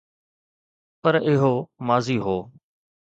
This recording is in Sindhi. پر اهو ماضي هو.